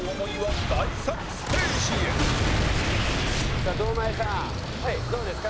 さあ堂前さんどうですか？